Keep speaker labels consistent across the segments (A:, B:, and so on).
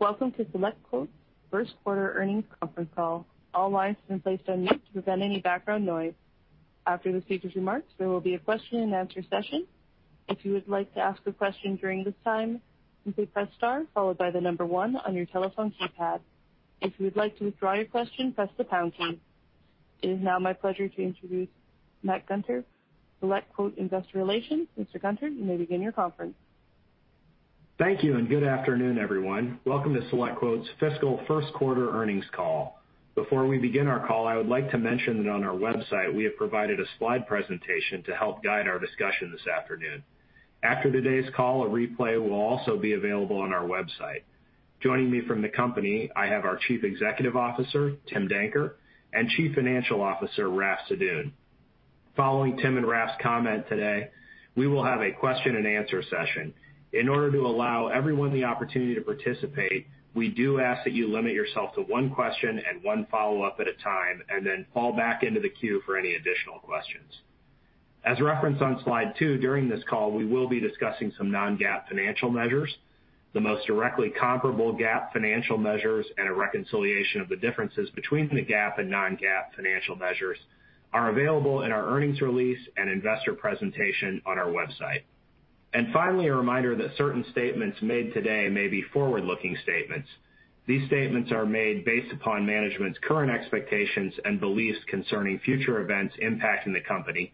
A: It is now my pleasure to introduce Matt Gunter, SelectQuote Investor Relations. Mr. Gunter, you may begin your conference.
B: Thank you. Good afternoon, everyone. Welcome to SelectQuote's fiscal first quarter earnings call. Before we begin our call, I would like to mention that on our website, we have provided a slide presentation to help guide our discussion this afternoon. After today's call, a replay will also be available on our website. Joining me from the company, I have our Chief Executive Officer, Tim Danker, and Chief Financial Officer, Raff Sadun. Following Tim and Raff's comment today, we will have a question and answer session. In order to allow everyone the opportunity to participate, we do ask that you limit yourself to one question and one follow-up at a time, and then fall back into the queue for any additional questions. As referenced on slide two, during this call, we will be discussing some non-GAAP financial measures. The most directly comparable GAAP financial measures and a reconciliation of the differences between the GAAP and non-GAAP financial measures are available in our earnings release and investor presentation on our website. Finally, a reminder that certain statements made today may be forward-looking statements. These statements are made based upon management's current expectations and beliefs concerning future events impacting the company,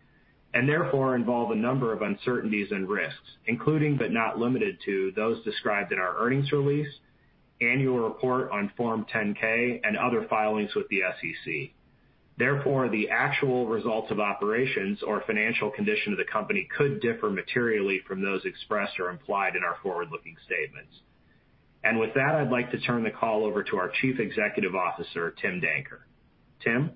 B: and therefore, involve a number of uncertainties and risks, including, but not limited to, those described in our earnings release, annual report on Form 10-K, and other filings with the SEC. Therefore, the actual results of operations or financial condition of the company could differ materially from those expressed or implied in our forward-looking statements. With that, I'd like to turn the call over to our Chief Executive Officer, Tim Danker. Tim?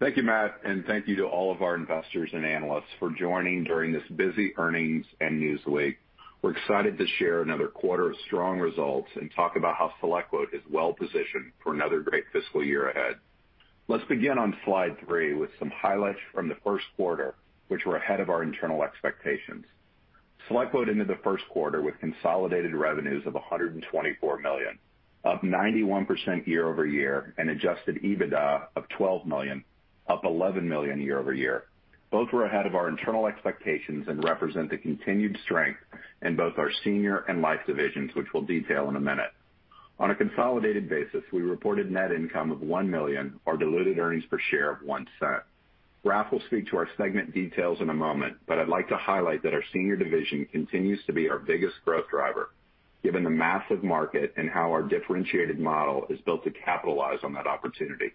C: Thank you, Matt, and thank you to all of our investors and analysts for joining during this busy earnings and news week. We're excited to share another quarter of strong results and talk about how SelectQuote is well-positioned for another great fiscal year ahead. Let's begin on slide three with some highlights from the first quarter, which were ahead of our internal expectations. SelectQuote ended the first quarter with consolidated revenues of $124 million, up 91% year-over-year, and Adjusted EBITDA of $12 million, up $11 million year-over-year. Both were ahead of our internal expectations and represent the continued strength in both our Senior and Life divisions, which we'll detail in a minute. On a consolidated basis, we reported net income of $1 million or diluted earnings per share of $0.01. Raff will speak to our segment details in a moment, but I'd like to highlight that our Senior division continues to be our biggest growth driver, given the massive market and how our differentiated model is built to capitalize on that opportunity.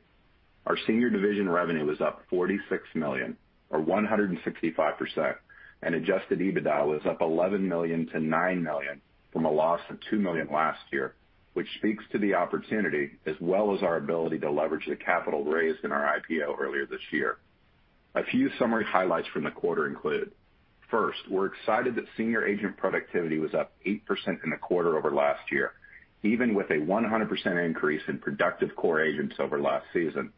C: Our Senior division revenue was up $46 million, or 165%, and Adjusted EBITDA was up $11 million-$9 million from a loss of $2 million last year, which speaks to the opportunity as well as our ability to leverage the capital raised in our IPO earlier this year. A few summary highlights from the quarter include, first, we're excited that Senior agent productivity was up 8% in the quarter over last year, even with a 100% increase in productive core agents over last season.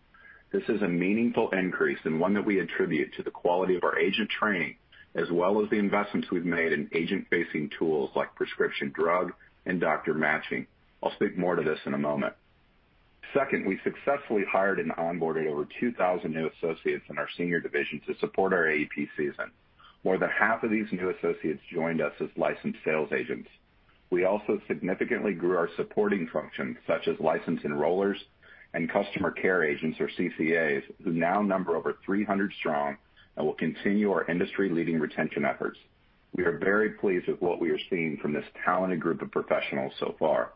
C: This is a meaningful increase and one that we attribute to the quality of our agent training, as well as the investments we've made in agent-facing tools like prescription drug and doctor matching. I'll speak more to this in a moment. Second, we successfully hired and onboarded over 2,000 new associates in our Senior division to support our AEP season. More than 1/2 of these new associates joined us as licensed sales agents. We also significantly grew our supporting functions, such as licensed Enrollers and Customer Care Agents, or CCAs, who now number over 300 strong and will continue our industry-leading retention efforts. We are very pleased with what we are seeing from this talented group of professionals so far.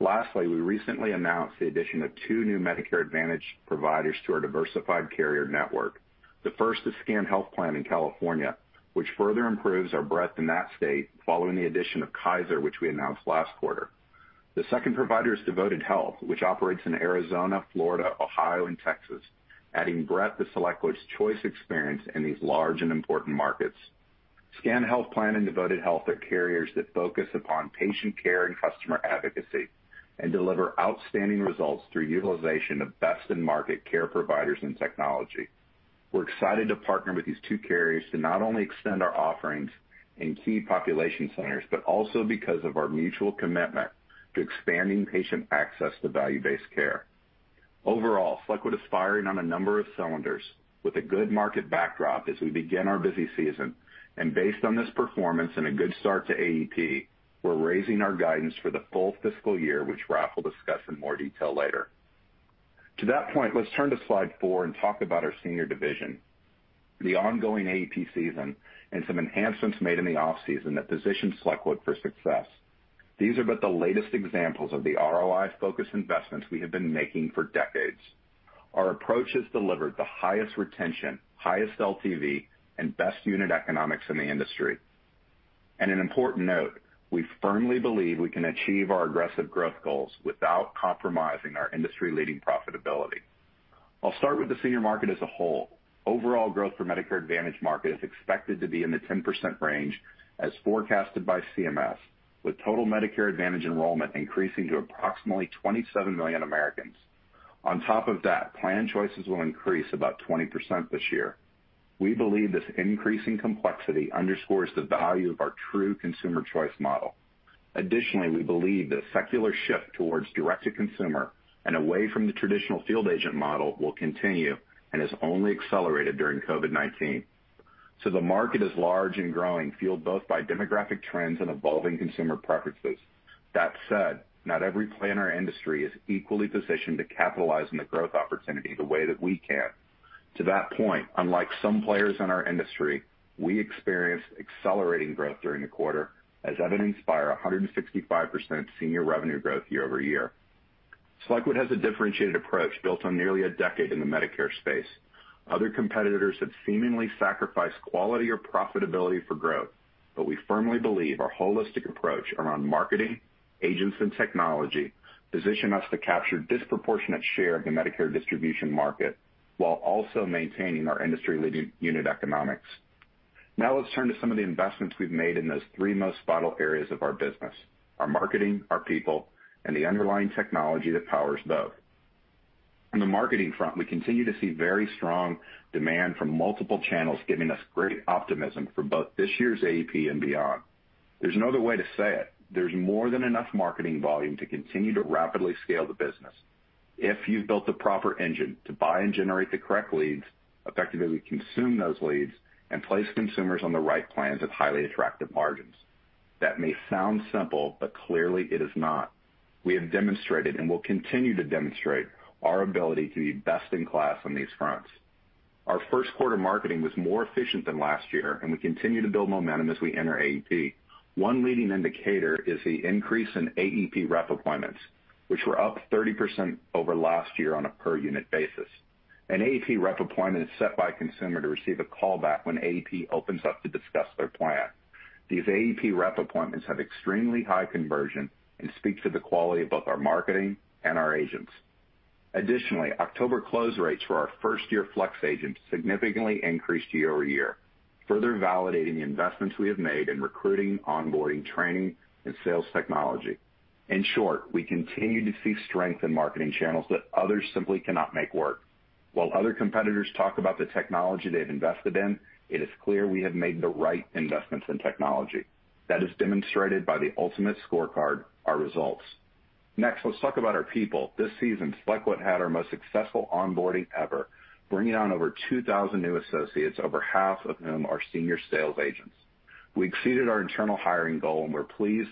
C: Lastly, we recently announced the addition of two new Medicare Advantage providers to our diversified carrier network. The first is SCAN Health Plan in California, which further improves our breadth in that state following the addition of Kaiser, which we announced last quarter. The second provider is Devoted Health, which operates in Arizona, Florida, Ohio, and Texas, adding breadth to SelectQuote's choice experience in these large and important markets. SCAN Health Plan and Devoted Health are carriers that focus upon patient care and customer advocacy and deliver outstanding results through utilization of best-in-market care providers and technology. We're excited to partner with these two carriers to not only extend our offerings in key population centers, but also because of our mutual commitment to expanding patient access to value-based care. Overall, SelectQuote is firing on a number of cylinders with a good market backdrop as we begin our busy season. Based on this performance and a good start to AEP, we're raising our guidance for the full fiscal year, which Raff will discuss in more detail later. To that point, let's turn to slide four and talk about our Senior division, the ongoing AEP season, and some enhancements made in the off-season that position SelectQuote for success. These are but the latest examples of the ROI-focused investments we have been making for decades. Our approach has delivered the highest retention, highest LTV, and best unit economics in the industry. An important note, we firmly believe we can achieve our aggressive growth goals without compromising our industry-leading profitability. I'll start with the Senior market as a whole. Overall growth for Medicare Advantage market is expected to be in the 10% range as forecasted by CMS, with total Medicare Advantage enrollment increasing to approximately 27 million Americans. On top of that, plan choices will increase about 20% this year. We believe this increasing complexity underscores the value of our true consumer choice model. Additionally, we believe the secular shift towards direct-to-consumer and away from the traditional field agent model will continue and has only accelerated during COVID-19. The market is large and growing, fueled both by demographic trends and evolving consumer preferences. That said, not every player in our industry is equally positioned to capitalize on the growth opportunity the way that we can. To that point, unlike some players in our industry, we experienced accelerating growth during the quarter, as evidenced by 165% Senior revenue growth year-over-year. SelectQuote has a differentiated approach built on nearly a decade in the Medicare space. Other competitors that seemingly sacrifice quality or profitability for growth, but we firmly believe our holistic approach around marketing, agents, and technology position us to capture a disproportionate share of the Medicare distribution market while also maintaining our industry-leading unit economics. Let's turn to some of the investments we've made in those three most vital areas of our business: our marketing, our people, and the underlying technology that powers both. On the marketing front, we continue to see very strong demand from multiple channels, giving us great optimism for both this year's AEP and beyond. There's no other way to say it. There's more than enough marketing volume to continue to rapidly scale the business if you've built the proper engine to buy and generate the correct leads, effectively consume those leads, and place consumers on the right plans at highly attractive margins. That may sound simple, but clearly it is not. We have demonstrated and will continue to demonstrate our ability to be best in class on these fronts. Our first quarter marketing was more efficient than last year, and we continue to build momentum as we enter AEP. One leading indicator is the increase in AEP rep appointments, which were up 30% over last year on a per unit basis. An AEP rep appointment is set by a consumer to receive a call back when AEP opens up to discuss their plan. These AEP rep appointments have extremely high conversion and speak to the quality of both our marketing and our agents. Additionally, October close rates for our first-year Flex Agents significantly increased year-over-year, further validating the investments we have made in recruiting, onboarding, training, and sales technology. In short, we continue to see strength in marketing channels that others simply cannot make work. While other competitors talk about the technology they've invested in, it is clear we have made the right investments in technology. That is demonstrated by the ultimate scorecard, our results. Next, let's talk about our people. This season, SelectQuote had our most successful onboarding ever, bringing on over 2,000 new associates, over 1/2 of whom are Senior sales agents. We exceeded our internal hiring goal, and we're pleased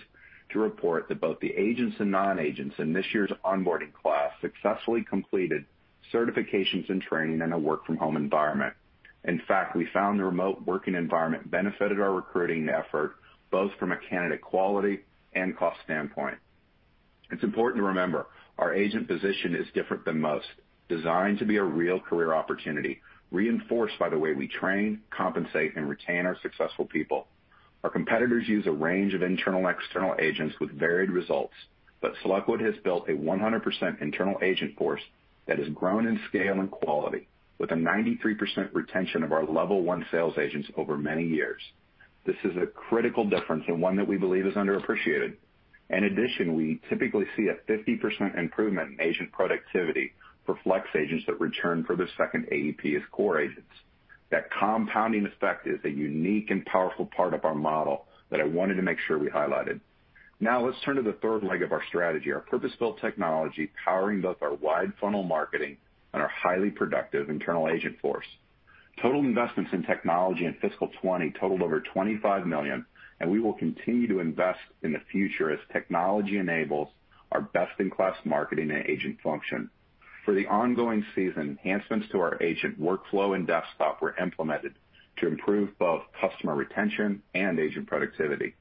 C: to report that both the agents and non-agents in this year's onboarding class successfully completed certifications and training in a work-from-home environment. In fact, we found the remote working environment benefited our recruiting effort, both from a candidate quality and cost standpoint. It's important to remember, our agent position is different than most, designed to be a real career opportunity, reinforced by the way we train, compensate, and retain our successful people. Our competitors use a range of internal and external agents with varied results, but SelectQuote has built a 100% internal agent force that has grown in scale and quality with a 93% retention of our level one sales agents over many years. This is a critical difference and one that we believe is underappreciated. In addition, we typically see a 50% improvement in agent productivity for Flex Agents that return for their second AEP as core agents. That compounding effect is a unique and powerful part of our model that I wanted to make sure we highlighted. Now let's turn to the third leg of our strategy, our purpose-built technology powering both our wide funnel marketing and our highly productive internal agent force. Total investments in technology in fiscal 2020 totaled over $25 million, and we will continue to invest in the future as technology enables our best-in-class marketing and agent function. For the ongoing season, enhancements to our agent workflow and desktop were implemented to improve both customer retention and agent productivity.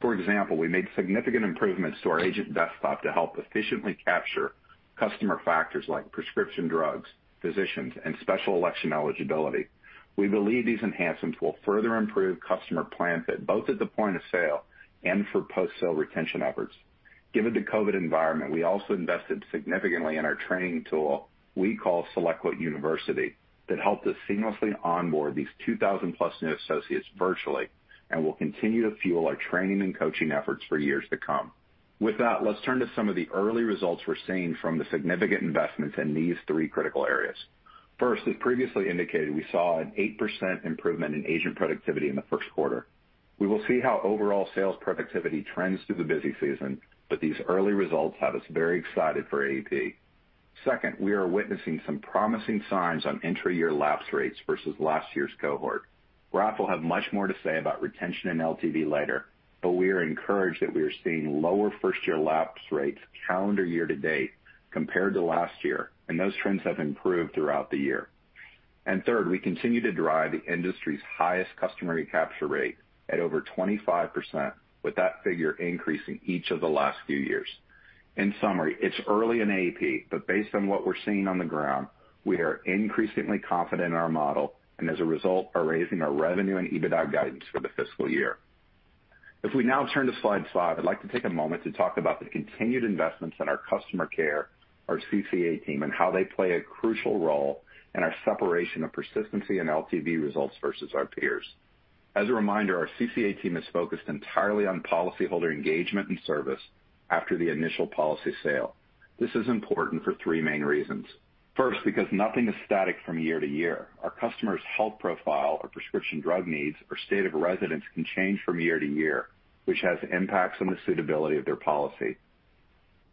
C: For example, we made significant improvements to our agent desktop to help efficiently capture customer factors like prescription drugs, physicians, and special election eligibility. We believe these enhancements will further improve customer plan fit, both at the point of sale and for post-sale retention efforts. Given the COVID environment, we also invested significantly in our training tool we call SelectQuote University that helped us seamlessly onboard these 2,000+ new associates virtually, and will continue to fuel our training and coaching efforts for years to come. With that, let's turn to some of the early results we're seeing from the significant investments in these three critical areas. First, as previously indicated, we saw an 8% improvement in agent productivity in the first quarter. We will see how overall sales productivity trends through the busy season, but these early results have us very excited for AEP. Second, we are witnessing some promising signs on intra-year lapse rates versus last year's cohort. Raff will have much more to say about retention and LTV later, but we are encouraged that we are seeing lower first-year lapse rates calendar year-to-date compared to last year, and those trends have improved throughout the year. Third, we continue to drive the industry's highest customer recapture rate at over 25%, with that figure increasing each of the last few years. In summary, it's early in AEP, but based on what we're seeing on the ground, we are increasingly confident in our model and as a result, are raising our revenue and EBITDA guidance for the fiscal year. If we now turn to slide five, I'd like to take a moment to talk about the continued investments in our customer care, our CCA team, and how they play a crucial role in our separation of persistency and LTV results versus our peers. As a reminder, our CCA team is focused entirely on policyholder engagement and service after the initial policy sale. This is important for three main reasons. First, because nothing is static from year-to-year. Our customer's health profile or prescription drug needs or state of residence can change from year-to-year, which has impacts on the suitability of their policy.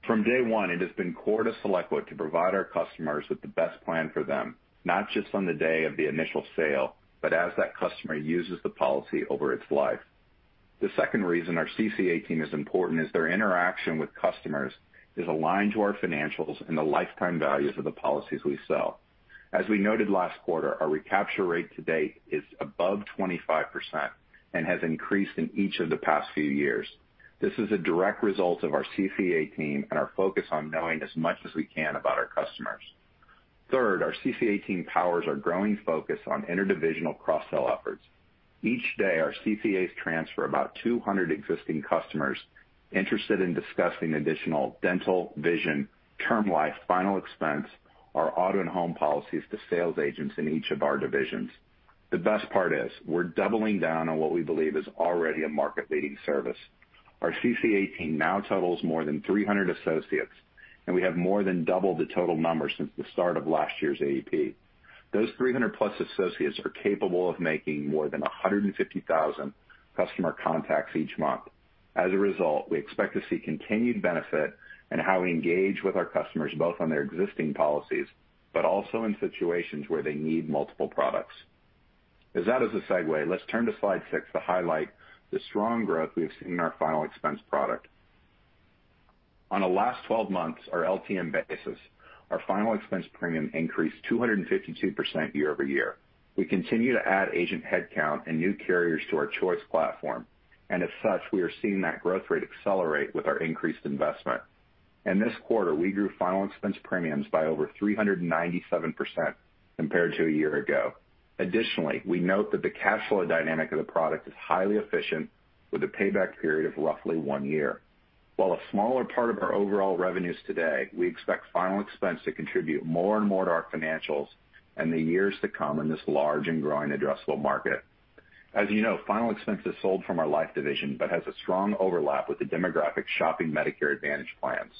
C: From day one, it has been core to SelectQuote to provide our customers with the best plan for them, not just on the day of the initial sale, but as that customer uses the policy over its life. The second reason our CCA team is important is their interaction with customers is aligned to our financials and the lifetime values of the policies we sell. As we noted last quarter, our recapture rate to date is above 25% and has increased in each of the past few years. This is a direct result of our CCA team and our focus on knowing as much as we can about our customers. Third, our CCA team powers our growing focus on interdivisional cross-sell efforts. Each day, our CCAs transfer about 200 existing customers interested in discussing additional dental, vision, Term Life, final expense, our Auto and Home policies to sales agents in each of our divisions. The best part is we're doubling down on what we believe is already a market-leading service. Our CCA team now totals more than 300 associates, and we have more than doubled the total numbers since the start of last year's AEP. Those 300+ associates are capable of making more than 150,000 customer contacts each month. As a result, we expect to see continued benefit in how we engage with our customers, both on their existing policies, but also in situations where they need multiple products. As that is a segue, let's turn to slide six to highlight the strong growth we've seen in our final expense product. On the last 12 months, our LTM basis, our final expense premium increased 252% year-over-year. We continue to add agent headcount and new carriers to our choice platform. As such, we are seeing that growth rate accelerate with our increased investment. In this quarter, we grew final expense premiums by over 397% compared to a year ago. Additionally, we note that the cash flow dynamic of the product is highly efficient with a payback period of roughly one year. While a smaller part of our overall revenues today, we expect final expense to contribute more and more to our financials in the years to come in this large and growing addressable market. As you know, final expense is sold from our Life division but has a strong overlap with the demographic shopping Medicare Advantage Plans.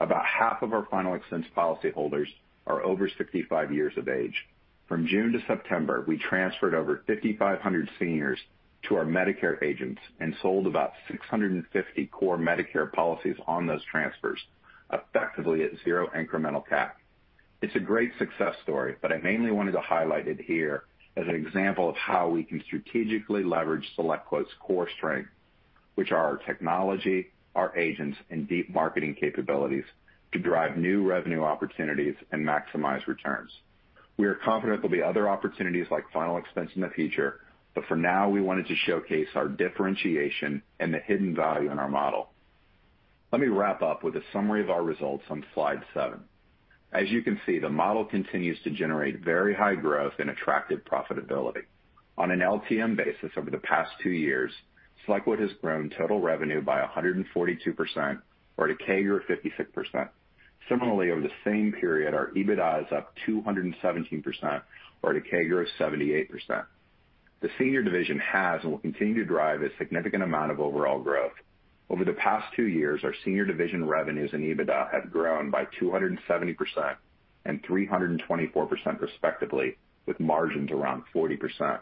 C: About 1/2 of our final expense policyholders are over 65 years of age. From June to September, we transferred over 5,500 seniors to our Medicare agents and sold about 650 core Medicare policies on those transfers, effectively at zero incremental CapEx. It's a great success story, but I mainly wanted to highlight it here as an example of how we can strategically leverage SelectQuote's core strength, which are our technology, our agents, and deep marketing capabilities to drive new revenue opportunities and maximize returns. We are confident there'll be other opportunities like final expense in the future, but for now, we wanted to showcase our differentiation and the hidden value in our model. Let me wrap up with a summary of our results on slide seven. As you can see, the model continues to generate very high growth and attractive profitability. On an LTM basis over the past two years, SelectQuote has grown total revenue by 142%, or at a CAGR of 56%. Similarly, over the same period, our EBITDA is up 217%, or at a CAGR of 78%. The Senior division has and will continue to drive a significant amount of overall growth. Over the past two years, our Senior division revenues and EBITDA have grown by 270% and 324% respectively, with margins around 40%.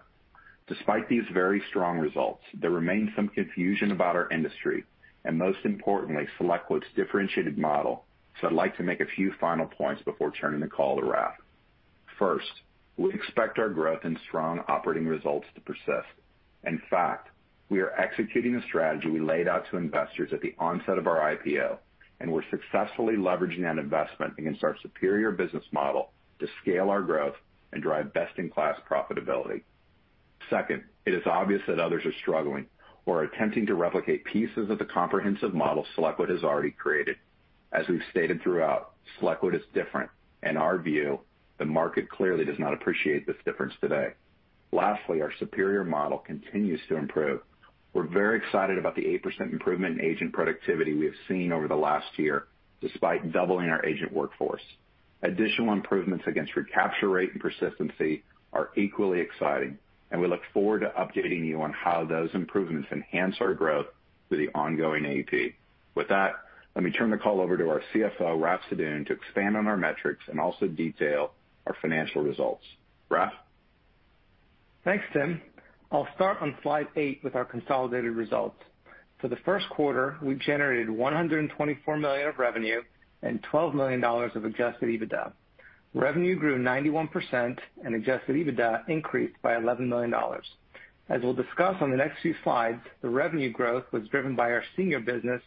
C: Despite these very strong results, there remains some confusion about our industry, and most importantly, SelectQuote's differentiated model, so I'd like to make a few final points before turning the call to Raff. First, we expect our growth and strong operating results to persist. In fact, we are executing the strategy we laid out to investors at the onset of our IPO, and we're successfully leveraging that investment against our superior business model to scale our growth and drive best-in-class profitability. Second, it is obvious that others are struggling or are attempting to replicate pieces of the comprehensive model SelectQuote has already created. As we've stated throughout, SelectQuote is different. In our view, the market clearly does not appreciate this difference today. Lastly, our superior model continues to improve. We're very excited about the 8% improvement in agent productivity we have seen over the last year, despite doubling our agent workforce. Additional improvements against recapture rate and persistency are equally exciting, and we look forward to updating you on how those improvements enhance our growth through the ongoing AEP. With that, let me turn the call over to our CFO, Raff Sadun, to expand on our metrics and also detail our financial results. Raff?
D: Thanks, Tim. I'll start on slide eight with our consolidated results. For the first quarter, we generated $124 million of revenue and $12 million of Adjusted EBITDA. Revenue grew 91% and Adjusted EBITDA increased by $11 million. As we'll discuss on the next few slides, the revenue growth was driven by our Senior business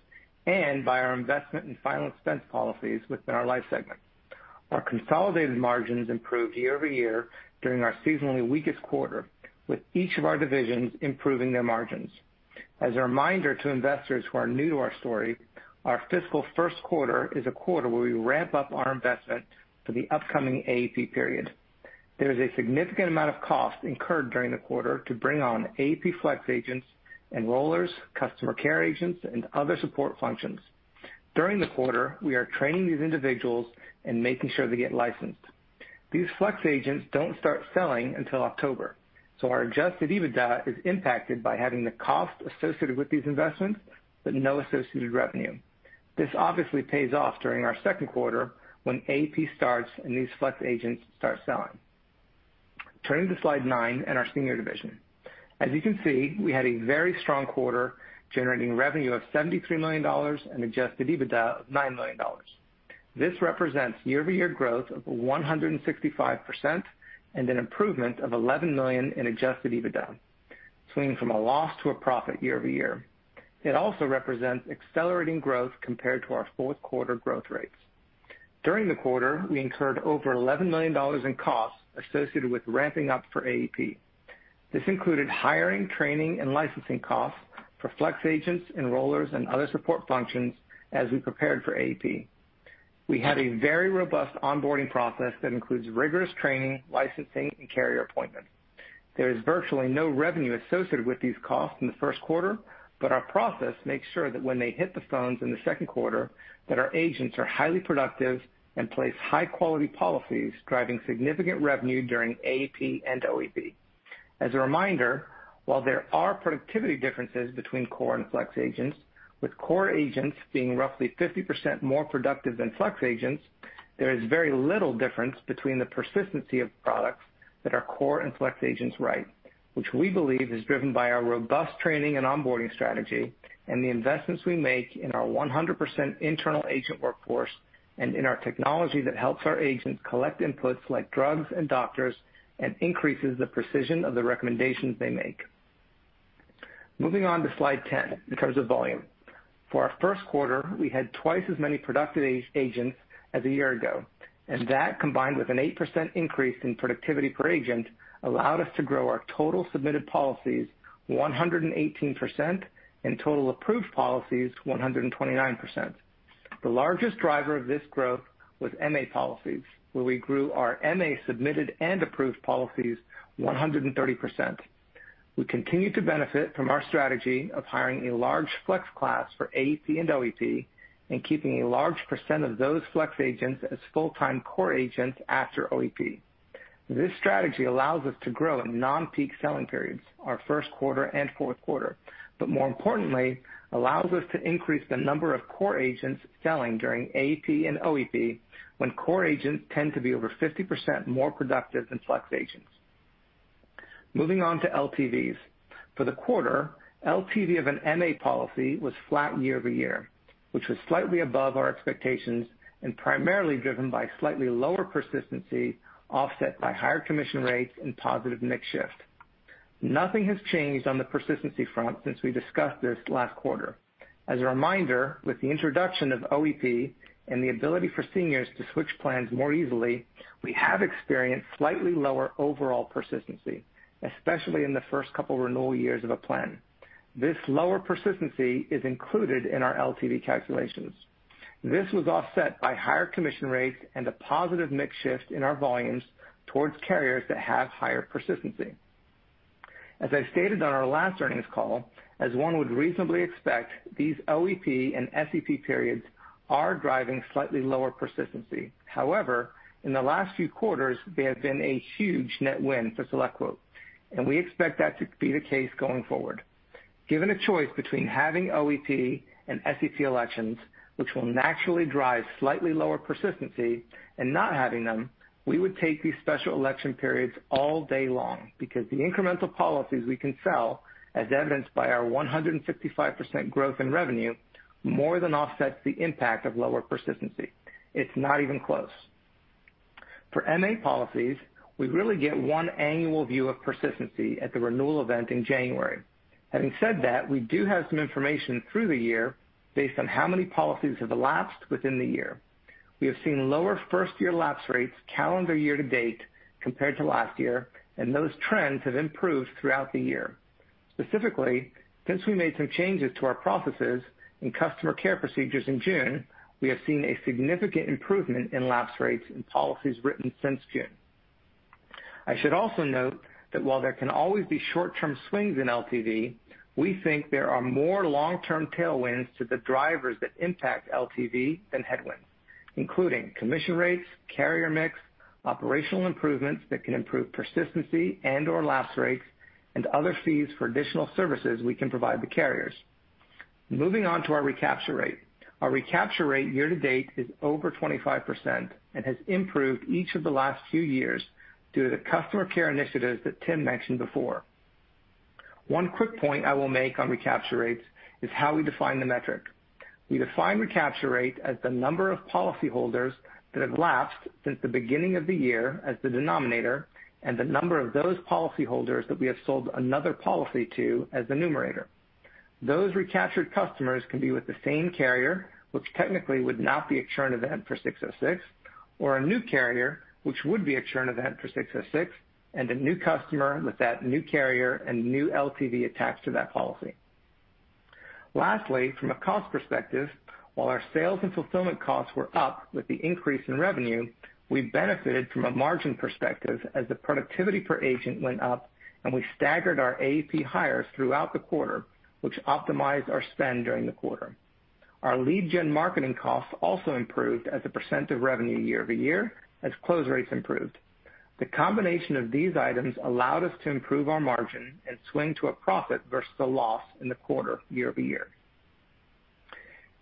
D: and by our investment in final expense policies within our Life segment. Our consolidated margins improved year-over-year during our seasonally weakest quarter, with each of our divisions improving their margins. As a reminder to investors who are new to our story, our fiscal first quarter is a quarter where we ramp up our investment for the upcoming AEP period. There is a significant amount of cost incurred during the quarter to bring on AEP flex Customer Care Agent, and other support functions. During the quarter, we are training these individuals and making sure they get licensed. These Flex Agents don't start selling until October, so our Adjusted EBITDA is impacted by having the cost associated with these investments, but no associated revenue. This obviously pays off during our second quarter when AEP starts and these Flex Agents start selling. Turning to slide nine and our Senior division. As you can see, we had a very strong quarter generating revenue of $73 million and Adjusted EBITDA of $9 million. This represents year-over-year growth of 165% and an improvement of $11 million in Adjusted EBITDA, swinging from a loss to a profit year-over-year. It also represents accelerating growth compared to our fourth quarter growth rates. During the quarter, we incurred over $11 million in costs associated with ramping up for AEP. This included hiring, training, and licensing costs for Flex Agents, Enrollers, and other support functions as we prepared for AEP. We have a very robust onboarding process that includes rigorous training, licensing, and carrier appointments. There is virtually no revenue associated with these costs in the first quarter, but our process makes sure that when they hit the phones in the second quarter, that our agents are highly productive and place high-quality policies, driving significant revenue during AEP and OEP. As a reminder, while there are productivity differences between core and Flex Agents, with core agents being roughly 50% more productive than Flex Agents, there is very little difference between the persistency of products that our core and Flex Agents write. Which we believe is driven by our robust training and onboarding strategy and the investments we make in our 100% internal agent workforce and in our technology that helps our agents collect inputs like drugs and doctors and increases the precision of the recommendations they make. Moving on to slide 10 in terms of volume. For our first quarter, we had twice as many productive agents as a year ago, and that, combined with an 8% increase in productivity per agent, allowed us to grow our total submitted policies 118% and total approved policies 129%. The largest driver of this growth was MA policies, where we grew our MA submitted and approved policies 130%. We continue to benefit from our strategy of hiring a large flex class for AEP and OEP and keeping a large percent of those Flex Agents as full-time core agents after OEP. This strategy allows us to grow in non-peak selling periods, our first quarter and fourth quarter. More importantly, allows us to increase the number of core agents selling during AEP and OEP, when core agents tend to be over 50% more productive than Flex Agents. Moving on to LTVs. For the quarter, LTV of an MA policy was flat year-over-year, which was slightly above our expectations and primarily driven by slightly lower persistency offset by higher commission rates and positive mix shift. Nothing has changed on the persistency front since we discussed this last quarter. As a reminder, with the introduction of OEP and the ability for Seniors to switch plans more easily, we have experienced slightly lower overall persistency, especially in the first couple renewal years of a plan. This lower persistency is included in our LTV calculations. This was offset by higher commission rates and a positive mix shift in our volumes towards carriers that have higher persistency. As I stated on our last earnings call, as one would reasonably expect, these OEP and SEP periods are driving slightly lower persistency. However, in the last few quarters, they have been a huge net win for SelectQuote, and we expect that to be the case going forward. Given a choice between having OEP and SEP elections, which will naturally drive slightly lower persistency and not having them, we would take these special election periods all day long because the incremental policies we can sell, as evidenced by our 165% growth in revenue, more than offsets the impact of lower persistency. It's not even close. For MA policies, we really get one annual view of persistency at the renewal event in January. Having said that, we do have some information through the year based on how many policies have elapsed within the year. We have seen lower first-year lapse rates calendar year to date compared to last year, and those trends have improved throughout the year. Specifically, since we made some changes to our processes and customer care procedures in June, we have seen a significant improvement in lapse rates in policies written since June. I should also note that while there can always be short-term swings in LTV, we think there are more long-term tailwinds to the drivers that impact LTV than headwinds, including commission rates, carrier mix, operational improvements that can improve persistency and/or lapse rates, and other fees for additional services we can provide the carriers. Moving on to our recapture rate. Our recapture rate year-to-date is over 25% and has improved each of the last few years due to the customer care initiatives that Tim mentioned before. One quick point I will make on recapture rates is how we define the metric. We define recapture rate as the number of policyholders that have lapsed since the beginning of the year as the denominator and the number of those policyholders that we have sold another policy to as the numerator. Those recaptured customers can be with the same carrier, which technically would not be a churn event for 606, or a new carrier, which would be a churn event for 606, and a new customer with that new carrier and new LTV attached to that policy. Lastly, from a cost perspective, while our sales and fulfillment costs were up with the increase in revenue, we benefited from a margin perspective as the productivity per agent went up and we staggered our AEP hires throughout the quarter, which optimized our spend during the quarter. Our lead gen marketing costs also improved as a percent of revenue year-over-year as close rates improved. The combination of these items allowed us to improve our margin and swing to a profit versus a loss in the quarter year-over-year.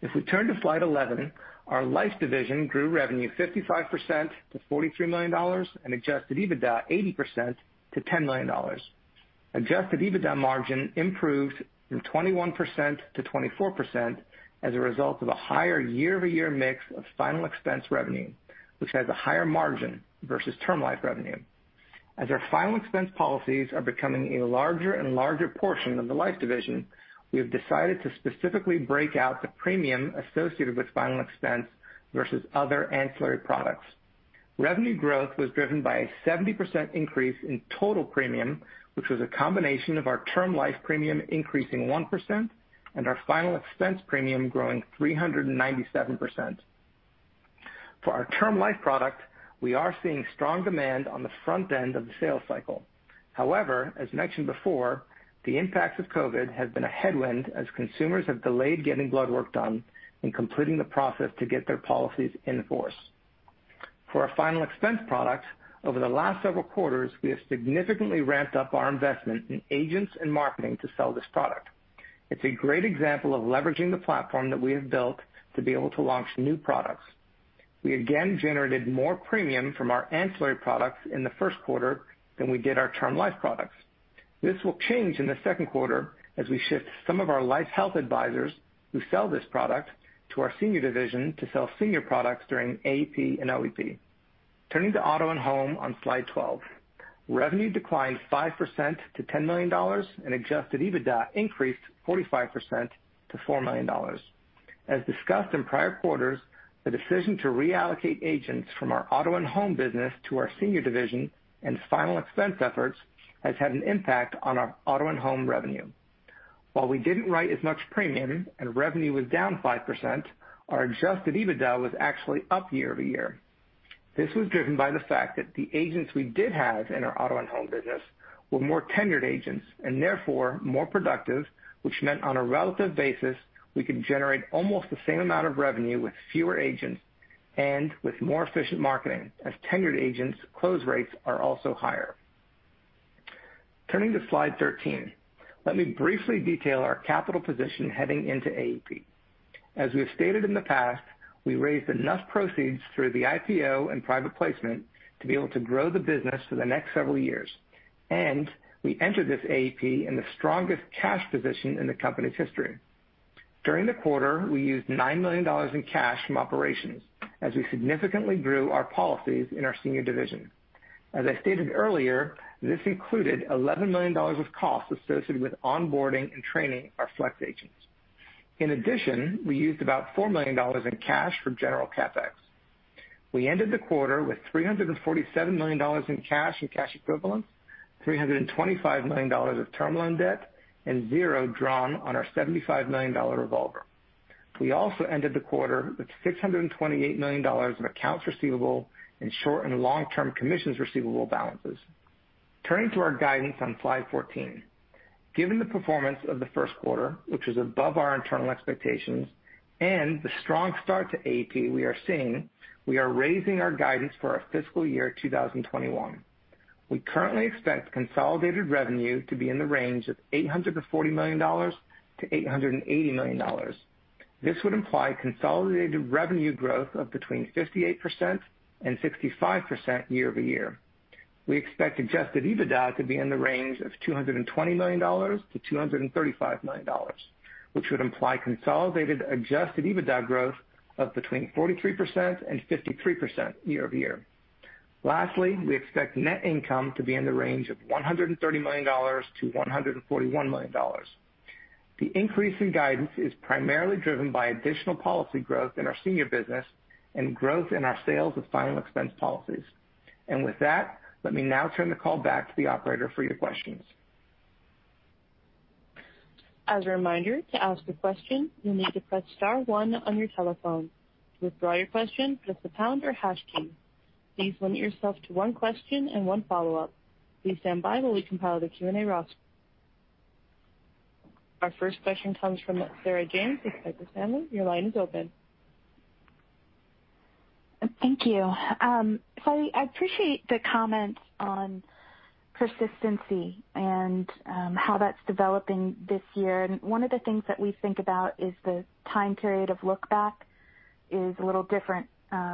D: If we turn to slide 11, our Life division grew revenue 55% to $43 million and Adjusted EBITDA 80% to $10 million. Adjusted EBITDA margin improved from 21%-24% as a result of a higher year-over-year mix of final expense revenue, which has a higher margin versus Term Life revenue. As our final expense policies are becoming a larger and larger portion of the Life Division, we have decided to specifically break out the premium associated with final expense versus other ancillary products. Revenue growth was driven by a 70% increase in total premium, which was a combination of our Term Life premium increasing 1% and our final expense premium growing 397%. For our Term Life product, we are seeing strong demand on the front end of the sales cycle. However, as mentioned before, the impacts of COVID have been a headwind as consumers have delayed getting blood work done and completing the process to get their policies in force. For our final expense product, over the last several quarters, we have significantly ramped up our investment in agents and marketing to sell this product. It's a great example of leveraging the platform that we have built to be able to launch new products. We again generated more premium from our ancillary products in the first quarter than we did our Term Life products. This will change in the second quarter as we shift some of our Life health advisors who sell this product to our Senior division to sell Senior products during AEP and OEP. Turning to Auto and Home on slide 12. Revenue declined 5% to $10 million, and Adjusted EBITDA increased 45% to $4 million. As discussed in prior quarters, the decision to reallocate agents from our Auto and Home business to our Senior division and final expense efforts has had an impact on our Auto and Home revenue. While we didn't write as much premium and revenue was down 5%, our Adjusted EBITDA was actually up year-over-year. This was driven by the fact that the agents we did have in our Auto and Home business were more tenured agents and therefore more productive, which meant on a relative basis, we could generate almost the same amount of revenue with fewer agents and with more efficient marketing, as tenured agents' close rates are also higher. Turning to slide 13, let me briefly detail our capital position heading into AEP. As we have stated in the past, we raised enough proceeds through the IPO and private placement to be able to grow the business for the next several years, and we entered this AEP in the strongest cash position in the company's history. During the quarter, we used $9 million in cash from operations as we significantly grew our policies in our Senior division. As I stated earlier, this included $11 million of costs associated with onboarding and training our Flex Agents. In addition, we used about $4 million in cash for general CapEx. We ended the quarter with $347 million in cash and cash equivalents, $325 million of Term Loan debt, and zero drawn on our $75 million revolver. We also ended the quarter with $628 million of accounts receivable and short and long-term commissions receivable balances. Turning to our guidance on slide 14. Given the performance of the first quarter, which was above our internal expectations, and the strong start to AEP we are seeing, we are raising our guidance for our fiscal year 2021. We currently expect consolidated revenue to be in the range of $840 million-$880 million. This would imply consolidated revenue growth of between 58% and 65% year-over-year. We expect Adjusted EBITDA to be in the range of $220 million-$235 million, which would imply consolidated Adjusted EBITDA growth of between 43% and 53% year-over-year. Lastly, we expect net income to be in the range of $130 million-$141 million. The increase in guidance is primarily driven by additional policy growth in our Senior business and growth in our sales of final expense policies. With that, let me now turn the call back to the operator for your questions.
A: As a reminder, to ask a question, you'll need to press star one on your telephone. To withdraw your question, press the pound or hash key. Please limit yourself to one question and one follow-up. Please stand by while we compile the Q&A roster. Our first question comes from Sarah James with Piper Sandler. Your line is open.
E: Thank you. I appreciate the comments on persistency and, how that's developing this year. One of the things that we think about is the time period of look-back is a little different,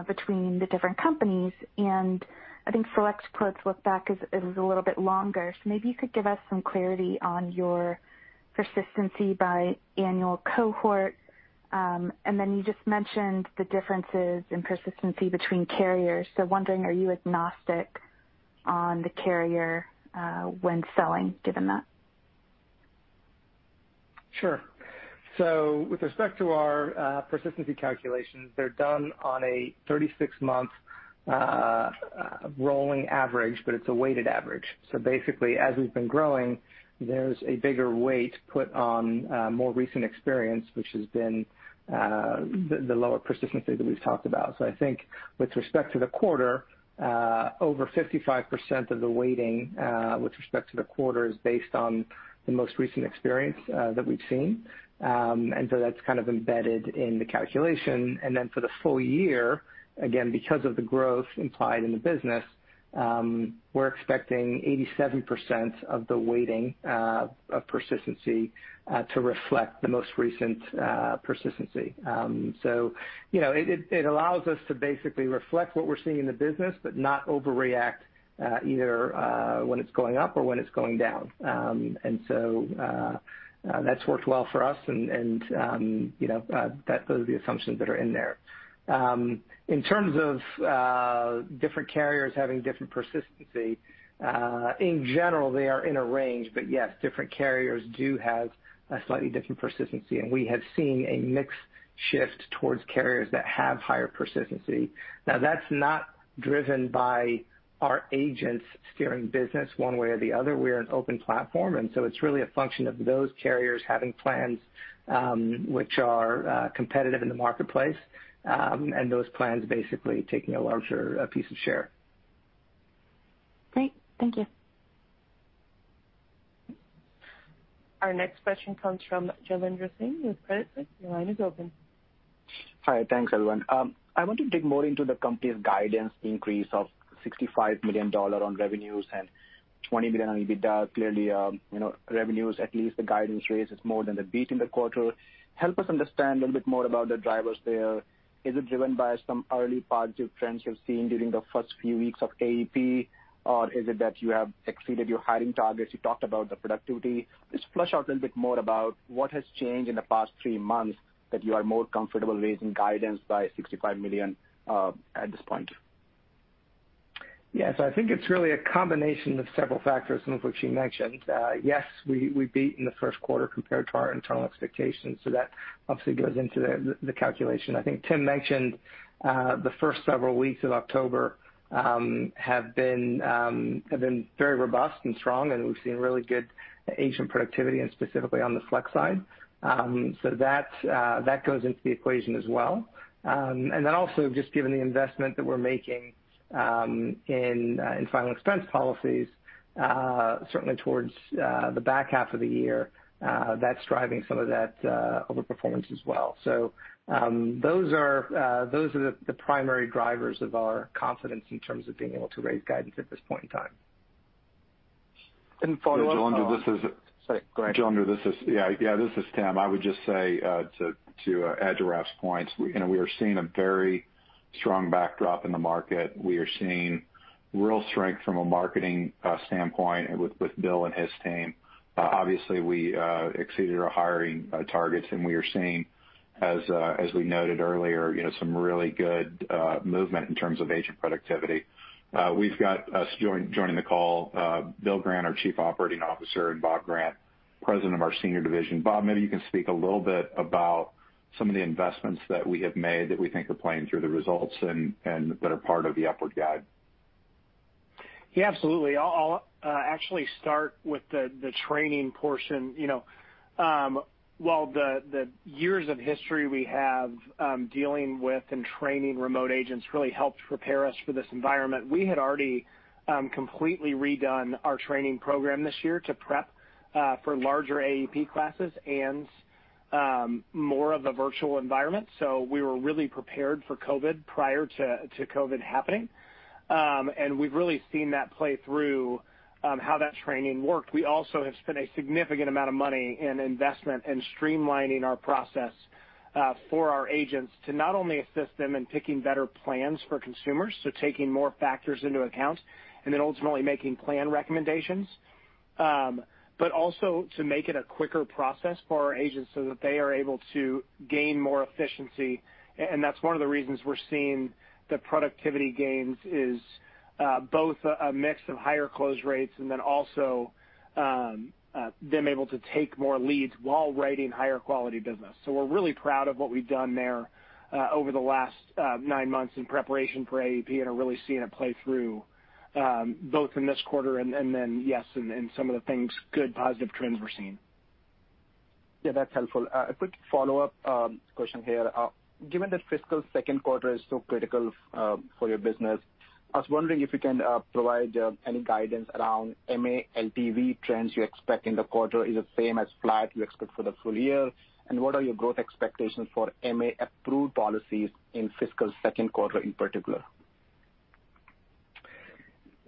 E: between the different companies, and I think SelectQuote's look-back is a little bit longer. Maybe you could give us some clarity on your persistency by annual cohort. Then you just mentioned the differences in persistency between carriers. Wondering, are you agnostic on the carrier, when selling, given that?
D: Sure. With respect to our persistency calculations, they're done on a 36-month rolling average, but it's a weighted average. Basically, as we've been growing, there's a bigger weight put on more recent experience, which has been the lower persistency that we've talked about. I think with respect to the quarter, over 55% of the weighting with respect to the quarter is based on the most recent experience that we've seen. That's kind of embedded in the calculation. Then for the full year, again, because of the growth implied in the business, we're expecting 87% of the weighting of persistency to reflect the most recent persistency. It allows us to basically reflect what we're seeing in the business, but not overreact either when it's going up or when it's going down. That's worked well for us and those are the assumptions that are in there. In terms of different carriers having different persistency, in general, they are in a range, but yes, different carriers do have a slightly different persistency, and we have seen a mixed shift towards carriers that have higher persistency. Now, that's not driven by our agents steering business one way or the other. We're an open platform, it's really a function of those carriers having plans which are competitive in the marketplace, and those plans basically taking a larger piece of share.
E: Great. Thank you.
A: Our next question comes from Jailendra Singh with Credit Suisse. Your line is open.
F: Hi, thanks everyone. I want to dig more into the company's guidance increase of $65 million on revenues and $20 million on EBITDA. Revenues, at least the guidance raise is more than the beat in the quarter. Help us understand a little bit more about the drivers there. Is it driven by some early positive trends you've seen during the first few weeks of AEP, or is it that you have exceeded your hiring targets? You talked about the productivity. Just flesh out a little bit more about what has changed in the past three months that you are more comfortable raising guidance by $65 million at this point.
D: I think it's really a combination of several factors, some of which you mentioned. We beat in the first quarter compared to our internal expectations, so that obviously goes into the calculation. I think Tim mentioned the first several weeks of October have been very robust and strong, and we've seen really good agent productivity, and specifically on the Flex side. That goes into the equation as well. Then also just given the investment that we're making in final expense policies, certainly towards the back half of the year, that's driving some of that over-performance as well. Those are the primary drivers of our confidence in terms of being able to raise guidance at this point in time.
F: And follow-up-
C: Jailendra, this is.
F: Sorry, go ahead.
C: Jailendra, this is Tim. I would just say to add to Raff's points, we are seeing a very strong backdrop in the market. We are seeing real strength from a marketing standpoint with Bill and his team. Obviously, we exceeded our hiring targets, and we are seeing, as we noted earlier, some really good movement in terms of agent productivity. We've got us joining the call, Bill Grant, our Chief Operating Officer, and Bob Grant, President of our Senior Division. Bob, maybe you can speak a little bit about some of the investments that we have made that we think are playing through the results and that are part of the upward guide.
G: Yeah, absolutely. I'll actually start with the training portion. While the years of history we have dealing with and training remote agents really helped prepare us for this environment, we had already completely redone our training program this year to prep for larger AEP classes and more of a virtual environment. We were really prepared for COVID prior to COVID happening. We've really seen that play through how that training worked. We also have spent a significant amount of money in investment and streamlining our process for our agents to not only assist them in picking better plans for consumers, so taking more factors into account, and then ultimately making plan recommendations, but also to make it a quicker process for our agents so that they are able to gain more efficiency. That's one of the reasons we're seeing the productivity gains is both a mix of higher close rates and then also them able to take more leads while writing higher quality business. We're really proud of what we've done there over the last nine months in preparation for AEP and are really seeing it play through both in this quarter and then, yes, in some of the things, good positive trends we're seeing.
F: Yeah, that's helpful. A quick follow-up question here. Given that fiscal second quarter is so critical for your business, I was wondering if you can provide any guidance around MA LTV trends you expect in the quarter is the same as flat you expect for the full year, and what are your growth expectations for MA approved policies in fiscal second quarter in particular?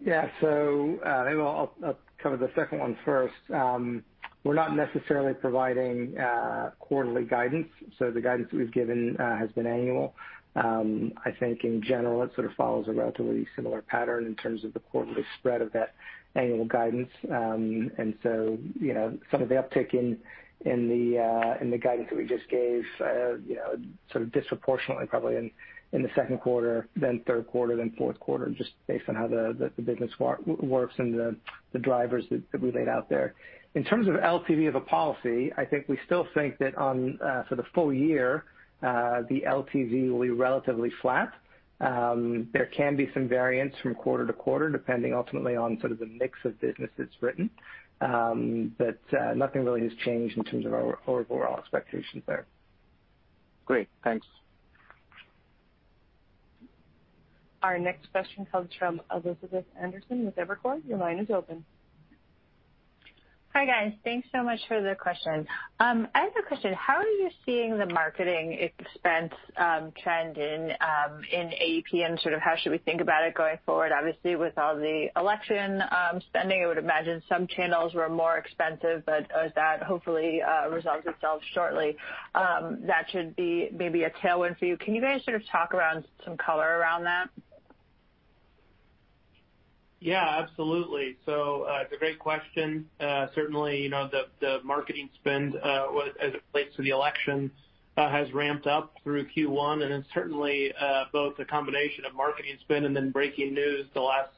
D: Maybe I'll cover the second one first. We're not necessarily providing quarterly guidance, so the guidance we've given has been annual. I think in general, it sort of follows a relatively similar pattern in terms of the quarterly spread of that annual guidance. Some of the uptick in the guidance that we just gave sort of disproportionately probably in the second quarter than third quarter than fourth quarter, just based on how the business works and the drivers that we laid out there. In terms of LTV of a policy, I think we still think that for the full year, the LTV will be relatively flat. There can be some variance from quarter to quarter, depending ultimately on sort of the mix of business that's written. Nothing really has changed in terms of our overall expectations there.
F: Great. Thanks.
A: Our next question comes from Elizabeth Anderson with Evercore. Your line is open.
H: Hi, guys. Thanks so much for the question. I have a question. How are you seeing the marketing expense trend in AEP, and how should we think about it going forward? Obviously, with all the election spending, I would imagine some channels were more expensive, but as that hopefully resolves itself shortly, that should be maybe a tailwind for you. Can you guys talk around some color around that?
D: Yeah, absolutely. It's a great question. Certainly, the marketing spend, as it relates to the election, has ramped up through Q1 and it's certainly both a combination of marketing spend and then breaking news the last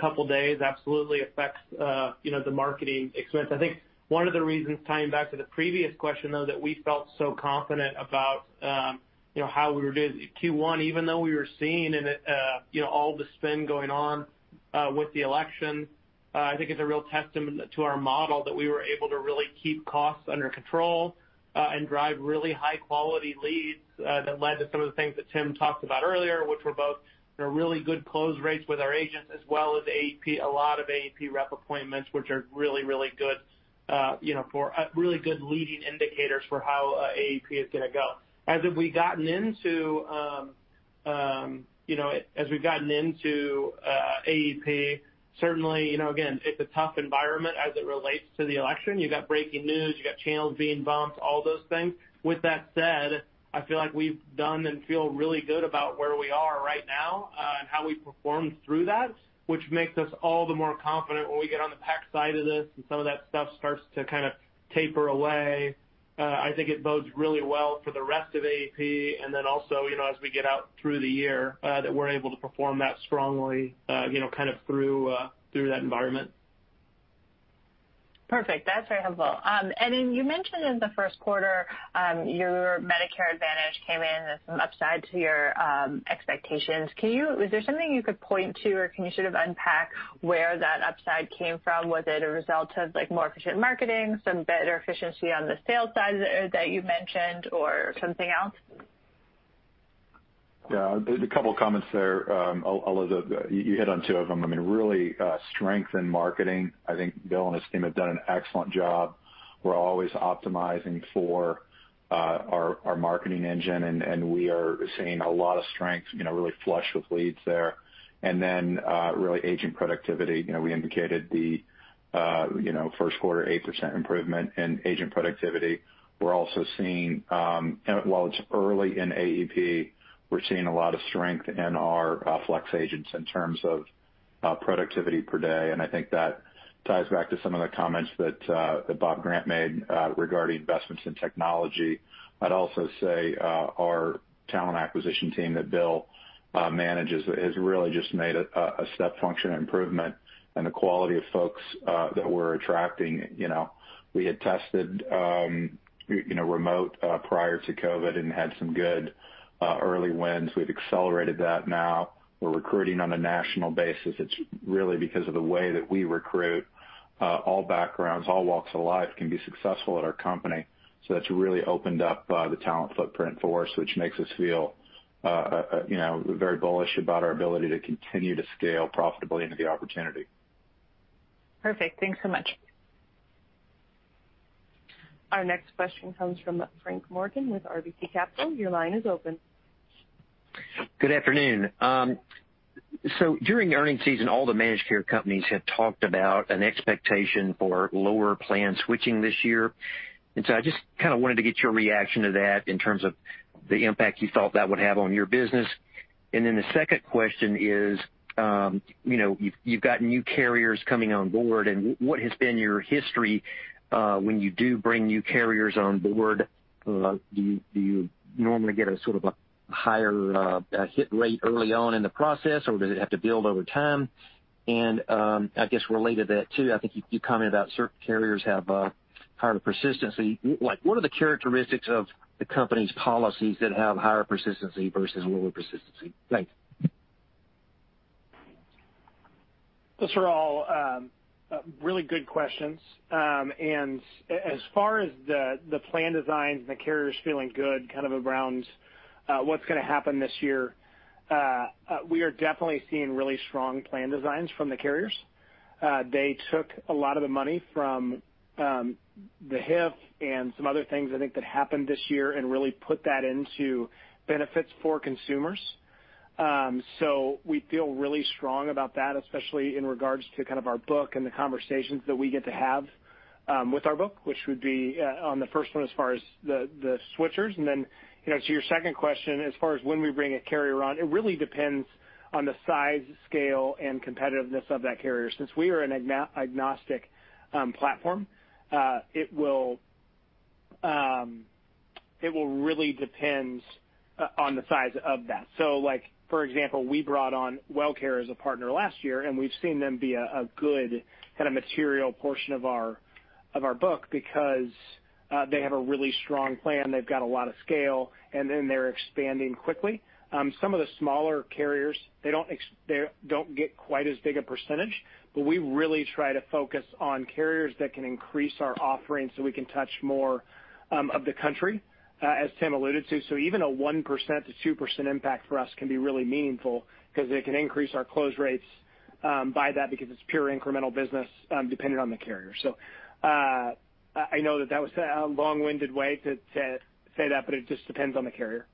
D: couple of days absolutely affects the marketing expense. I think one of the reasons, tying back to the previous question, though, that we felt so confident about how we were doing Q1, even though we were seeing all the spend going on with the election, I think is a real testament to our model that we were able to really keep costs under control, and drive really high-quality leads, that led to some of the things that Tim talked about earlier, which were both really good close rates with our agents as well as a lot of AEP rep appointments, which are really good leading indicators for how AEP is going to go. As we've gotten into AEP, certainly, again, it's a tough environment as it relates to the election. You've got breaking news, you've got channels being bumped, all those things. With that said, I feel like we've done and feel really good about where we are right now, and how we've performed through that, which makes us all the more confident when we get on the PEC side of this and some of that stuff starts to kind of taper away. I think it bodes really well for the rest of AEP, and then also, as we get out through the year, that we're able to perform that strongly, kind of through that environment.
H: Perfect. That's very helpful. You mentioned in the first quarter, your Medicare Advantage came in with some upside to your expectations. Is there something you could point to, or can you sort of unpack where that upside came from? Was it a result of more efficient marketing, some better efficiency on the sales side that you mentioned, or something else?
C: Yeah. A couple of comments there, Elizabeth, you hit on two of them. Really strength in marketing. I think Bill and his team have done an excellent job. We're always optimizing for our marketing engine, and we are seeing a lot of strength, really flush with leads there. Really agent productivity. We indicated the first quarter, 8% improvement in agent productivity. While it's early in AEP, we're seeing a lot of strength in our Flex Agents in terms of productivity per day, and I think that ties back to some of the comments that Bob Grant made regarding investments in technology. I'd also say our talent acquisition team that Bill manages has really just made a step function improvement in the quality of folks that we're attracting. We had tested remote prior to COVID and had some good early wins. We've accelerated that now. We're recruiting on a national basis. It's really because of the way that we recruit. All backgrounds, all walks of Life can be successful at our company. That's really opened up the talent footprint for us, which makes us feel very bullish about our ability to continue to scale profitably into the opportunity.
H: Perfect. Thanks so much.
A: Our next question comes from Frank Morgan with RBC Capital. Your line is open.
I: Good afternoon. During the earnings season, all the managed care companies have talked about an expectation for lower plan switching this year. I just kind of wanted to get your reaction to that in terms of the impact you thought that would have on your business. The second question is, you've got new carriers coming on board and what has been your history when you do bring new carriers on board? Do you normally get a sort of a higher hit rate early on in the process, or does it have to build over time? I guess related to that, too, I think you commented that certain carriers have higher persistency. What are the characteristics of the company's policies that have higher persistency versus lower persistency? Thanks.
D: Those are all really good questions. As far as the plan designs and the carriers feeling good kind of around what's going to happen this year, we are definitely seeing really strong plan designs from the carriers. They took a lot of the money from the HIF and some other things I think that happened this year and really put that into benefits for consumers. We feel really strong about that, especially in regards to kind of our book and the conversations that we get to have with our book, which would be on the first one as far as the switchers, and then to your second question, as far as when we bring a carrier on, it really depends on the size, scale, and competitiveness of that carrier. Since we are an agnostic platform, it will really depend on the size of that. For example, we brought on WellCare as a partner last year, and we've seen them be a good kind of material portion of our book because they have a really strong plan. They've got a lot of scale. They're expanding quickly. Some of the smaller carriers, they don't get quite as big a percentage, but we really try to focus on carriers that can increase our offerings so we can touch more of the country, as Tim alluded to. Even a 1%-2% impact for us can be really meaningful because it can increase our close rates by that because it's pure incremental business dependent on the carrier. I know that that was a long-winded way to say that, but it just depends on the carrier.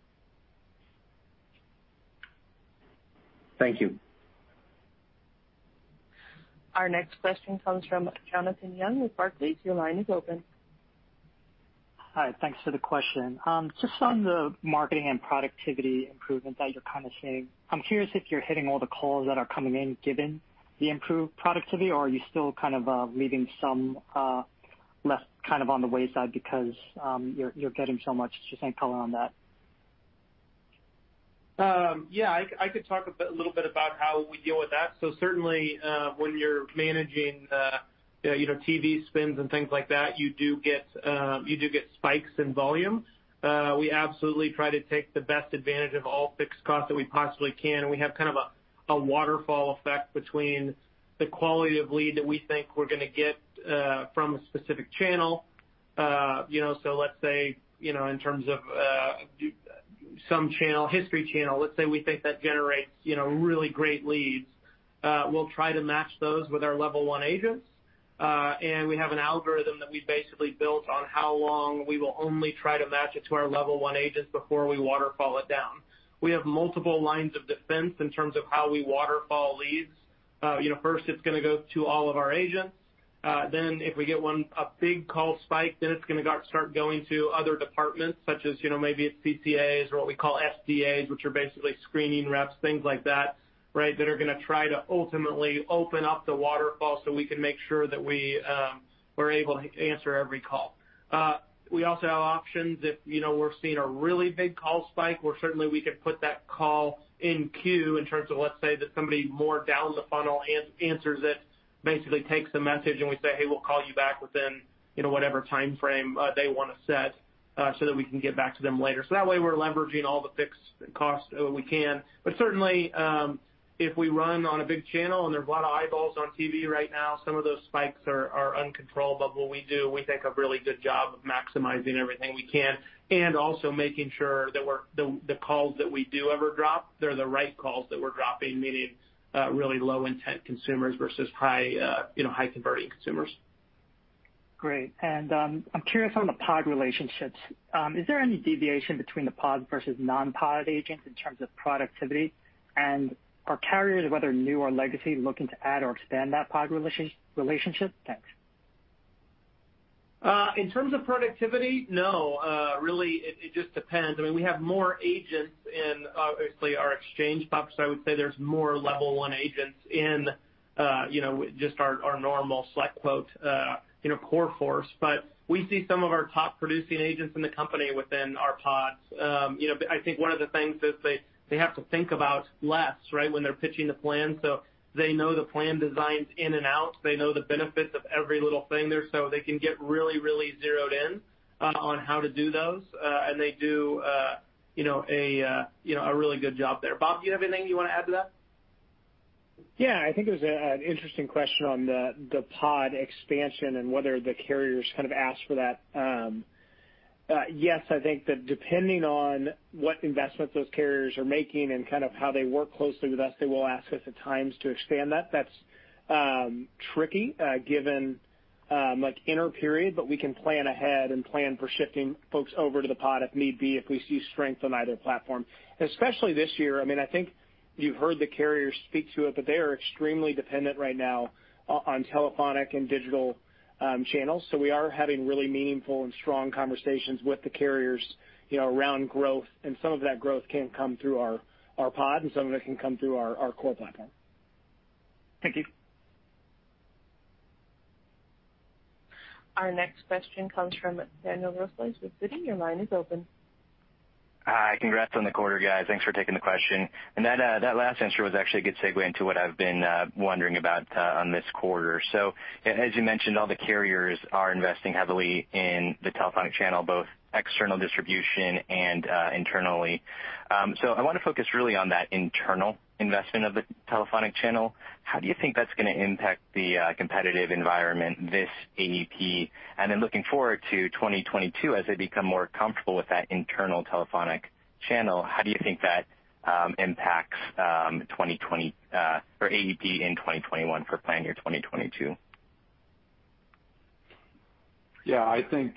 I: Thank you.
A: Our next question comes from Jonathan Yong with Barclays. Your line is open.
J: Hi. Thanks for the question. On the marketing and productivity improvements that you're kind of seeing, I'm curious if you're hitting all the calls that are coming in given the improved productivity or are you still kind of leaving some left on the wayside because you're getting so much? Any color on that?
D: Yeah, I could talk a little bit about how we deal with that. Certainly, when you're managing TV spins and things like that, you do get spikes in volume. We absolutely try to take the best advantage of all fixed costs that we possibly can, and we have kind of a waterfall effect between the quality of lead that we think we're going to get from a specific channel. Let's say in terms of some channel, History Channel, let's say we think that generates really great leads. We'll try to match those with our level one agents. We have an algorithm that we basically built on how long we will only try to match it to our level one agents before we waterfall it down. We have multiple lines of defense in terms of how we waterfall leads. It's going to go to all of our agents. If we get a big call spike, then it's going to start going to other departments such as, maybe it's CCAs or what we call SDAs, which are basically screening reps, things like that, right, that are going to try to ultimately open up the waterfall so we can make sure that we're able to answer every call. We also have options if we're seeing a really big call spike where certainly we could put that call in queue in terms of, let's say that somebody more down the funnel answers it, basically takes a message and we say, "Hey, we'll call you back within," whatever timeframe they want to set, so that we can get back to them later. That way we're leveraging all the fixed costs we can. Certainly, if we run on a big channel and there are a lot of eyeballs on TV right now, some of those spikes are uncontrollable. We do, we think, a really good job of maximizing everything we can and also making sure that the calls that we do ever drop, they're the right calls that we're dropping, meaning really low intent consumers versus high converting consumers.
J: Great. I'm curious on the pod relationships. Is there any deviation between the pod versus non-pod agents in terms of productivity? Are carriers, whether new or legacy, looking to add or expand that pod relationship? Thanks.
D: In terms of productivity, no. Really it just depends. I mean, we have more agents in obviously our exchange pods, so I would say there's more level one agents in just our normal SelectQuote core force. We see some of our top producing agents in the company within our pods. I think one of the things is they have to think about less, right, when they're pitching the plan, so they know the plan designs in and out. They know the benefits of every little thing there, so they can get really zeroed in on how to do those. They do a really good job there. Bob, do you have anything you want to add to that?
G: I think it was an interesting question on the pod expansion and whether the carriers kind of asked for that. Yes, I think that depending on what investments those carriers are making and kind of how they work closely with us, they will ask us at times to expand that. That's tricky, given like inner period, but we can plan ahead and plan for shifting folks over to the pod if need be if we see strength on either platform. Especially this year, I think you've heard the carriers speak to it, but they are extremely dependent right now on telephonic and digital channels. We are having really meaningful and strong conversations with the carriers around growth, and some of that growth can come through our pod and some of it can come through our core platform.
J: Thank you.
A: Our next question comes from Daniel Grosslight with Citi. Your line is open.
K: Hi. Congrats on the quarter, guys. Thanks for taking the question. That last answer was actually a good segue into what I've been wondering about on this quarter. As you mentioned, all the carriers are investing heavily in the telephonic channel, both external distribution and internally. I want to focus really on that internal investment of the telephonic channel. How do you think that's going to impact the competitive environment this AEP, and then looking forward to 2022 as they become more comfortable with that internal telephonic channel, how do you think that impacts AEP in 2021 for plan year 2022?
C: Yeah, I think,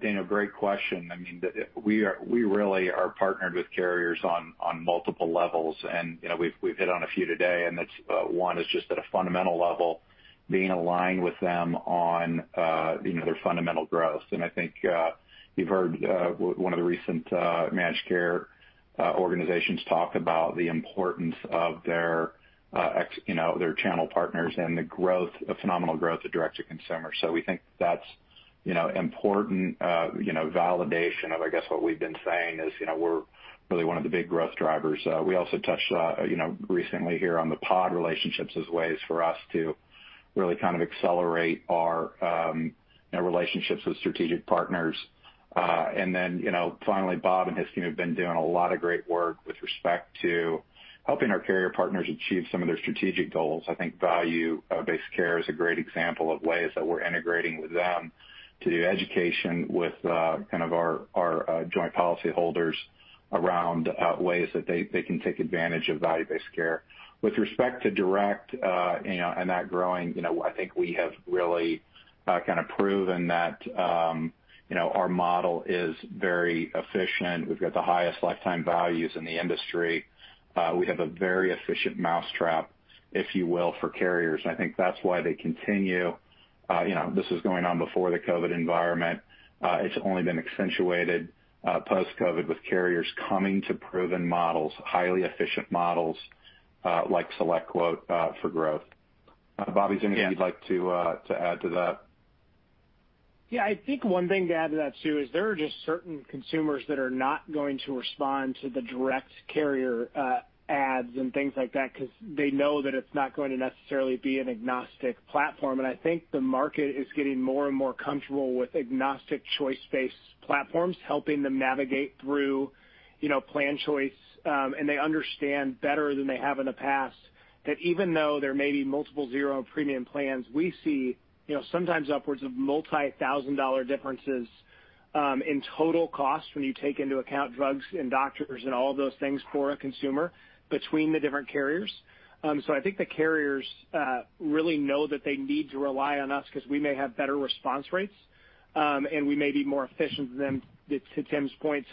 C: Daniel, great question. I mean, we really are partnered with carriers on multiple levels. We've hit on a few today. One is just at a fundamental level being aligned with them on their fundamental growth. I think you've heard one of the recent managed care organizations talk about the importance of their channel partners and the phenomenal growth of direct to consumer. We think that's important validation of, I guess, what we've been saying is we're really one of the big growth drivers. We also touched recently here on the pod relationships as ways for us to really kind of accelerate our relationships with strategic partners. Finally, Bob and his team have been doing a lot of great work with respect to helping our carrier partners achieve some of their strategic goals. I think value-based care is a great example of ways that we're integrating with them to do education with our joint policyholders around ways that they can take advantage of value-based care. With respect to direct and that growing, I think we have really proven that our model is very efficient. We've got the highest lifetime values in the industry. We have a very efficient mousetrap, if you will, for carriers, and I think that's why they continue. This was going on before the COVID environment. It's only been accentuated post-COVID with carriers coming to proven models, highly efficient models, like SelectQuote, for growth. Bob, is there anything you'd like to add to that?
G: Yeah. I think one thing to add to that too is there are just certain consumers that are not going to respond to the direct carrier ads and things like that because they know that it's not going to necessarily be an agnostic platform. I think the market is getting more and more comfortable with agnostic choice-based platforms, helping them navigate through plan choice. They understand better than they have in the past that even though there may be multiple zero premium plans, we see sometimes upwards of multi-thousand-dollar differences in total cost when you take into account drugs and doctors and all of those things for a consumer between the different carriers. I think the carriers really know that they need to rely on us because we may have better response rates, and we may be more efficient than, to Tim's point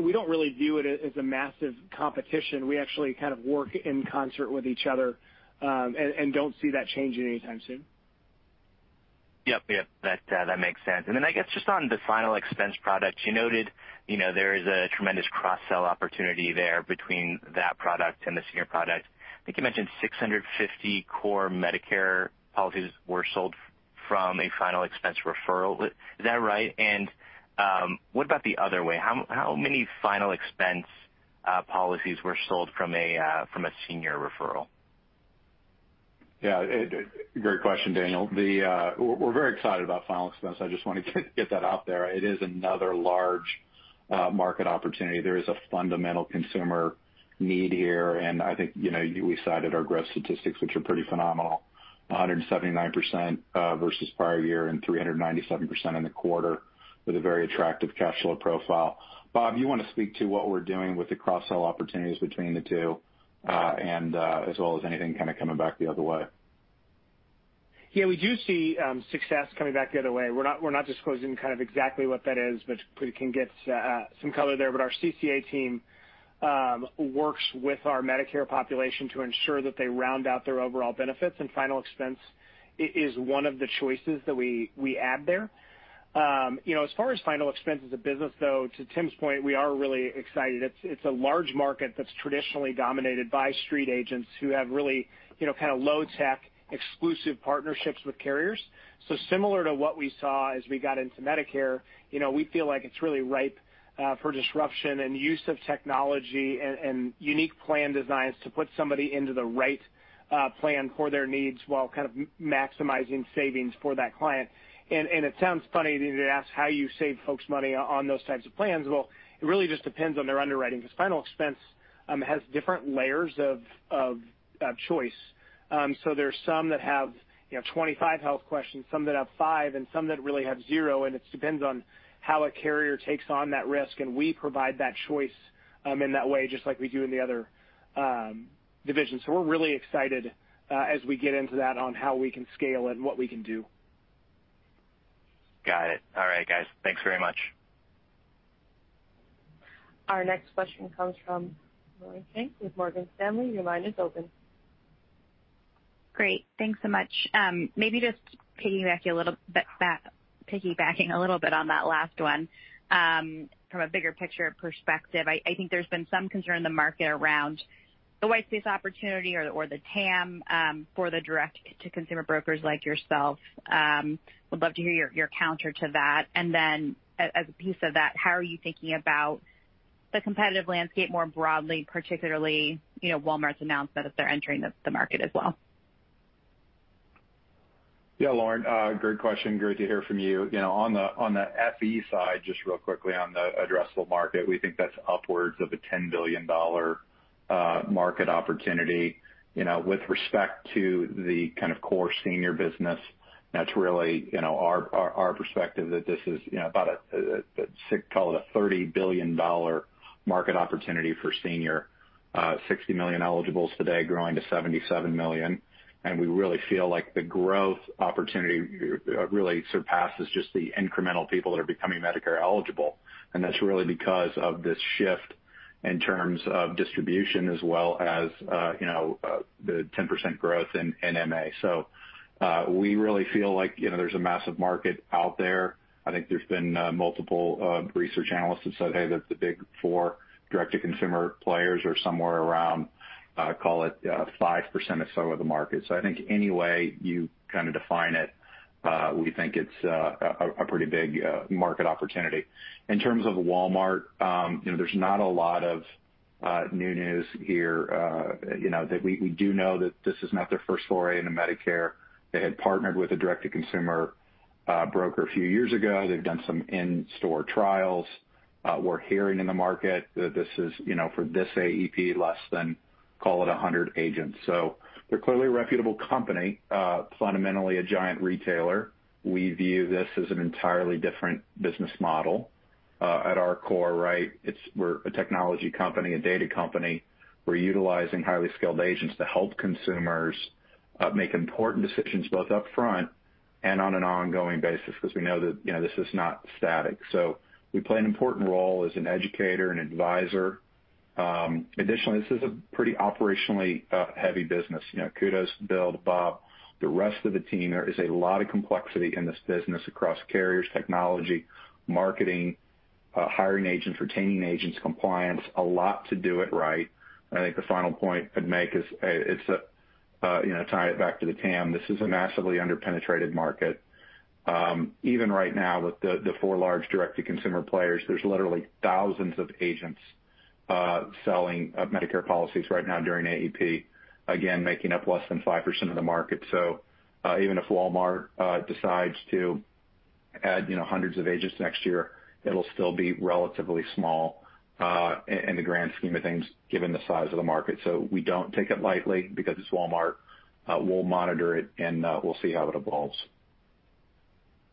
G: We don't really view it as a massive competition. We actually kind of work in concert with each other, and don't see that changing anytime soon.
K: Yep. That makes sense. I guess just on the final expense product, you noted there is a tremendous cross-sell opportunity there between that product and the senior product. I think you mentioned 650 core Medicare policies were sold from a final expense referral. Is that right? What about the other way? How many final expense policies were sold from a Senior referral?
C: Yeah. Great question, Daniel. We're very excited about final expense. I just wanted to get that out there. It is another large market opportunity. There is a fundamental consumer need here, and I think you cited our growth statistics, which are pretty phenomenal, 179% versus prior year and 397% in the quarter, with a very attractive cash flow profile. Bob, you want to speak to what we're doing with the cross-sell opportunities between the two, and as well as anything kind of coming back the other way?
G: Yeah, we do see success coming back the other way. We're not disclosing exactly what that is, but you can get some color there. Our CCA team works with our Medicare population to ensure that they round out their overall benefits, and final expense is one of the choices that we add there. As far as final expense as a business, though, to Tim's point, we are really excited. It's a large market that's traditionally dominated by street agents who have really low tech, exclusive partnerships with carriers. Similar to what we saw as we got into Medicare, we feel like it's really ripe for disruption and use of technology and unique plan designs to put somebody into the right plan for their needs while maximizing savings for that client. It sounds funny that you'd ask how you save folks money on those types of plans. It really just depends on their underwriting, because final expense has different layers of choice. There's some that have 25 health questions, some that have five, and some that really have zero, and it just depends on how a carrier takes on that risk, and we provide that choice in that way, just like we do in the other divisions. We're really excited as we get into that on how we can scale and what we can do.
K: Got it. All right, guys. Thanks very much.
A: Our next question comes from Lauren Schenk with Morgan Stanley. Your line is open.
L: Great. Thanks so much. Maybe just piggybacking a little bit on that last one. From a bigger picture perspective, I think there's been some concern in the market around the white space opportunity or the TAM for the direct-to-consumer brokers like yourself. Would love to hear your counter to that. Then as a piece of that, how are you thinking about the competitive landscape more broadly, particularly Walmart's announcement that they're entering the market as well?
C: Yeah, Lauren, great question. Great to hear from you. On the FE side, just real quickly on the addressable market, we think that's upwards of a $10 billion market opportunity. With respect to the kind of core Senior business, that's really our perspective that this is about a $30 billion market opportunity for Senior, 60 million eligibles today growing to 77 million, and we really feel like the growth opportunity really surpasses just the incremental people that are becoming Medicare eligible. That's really because of this shift in terms of distribution as well as the 10% growth in MA. We really feel like there's a massive market out there. I think there's been multiple Research Analysts that said, hey, the big four direct-to-consumer players are somewhere around, call it 5% or so of the market. I think any way you kind of define it, we think it's a pretty big market opportunity. In terms of Walmart, there's not a lot of new news here. We do know that this is not their first foray into Medicare. They had partnered with a direct-to-consumer broker a few years ago. They've done some in-store trials. We're hearing in the market that this is, for this AEP, less than, call it, 100 agents. They're clearly a reputable company, fundamentally a giant retailer. We view this as an entirely different business model. At our core, right, we're a technology company, a data company. We're utilizing highly skilled agents to help consumers make important decisions, both upfront and on an ongoing basis, because we know that this is not static. We play an important role as an educator and advisor. Additionally, this is a pretty operationally heavy business. Kudos to Bill, Bob, the rest of the team. There is a lot of complexity in this business across carriers, technology, marketing, hiring agents, retaining agents, compliance, a lot to do it right. I think the final point I'd make is, tie it back to the TAM. This is a massively under-penetrated market. Even right now with the four large direct-to-consumer players, there's literally thousands of agents selling Medicare policies right now during an AEP, again, making up less than 5% of the market. Even if Walmart decides to add hundreds of agents next year, it'll still be relatively small in the grand scheme of things, given the size of the market. We don't take it lightly because it's Walmart. We'll monitor it, and we'll see how it evolves.